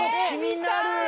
気になる！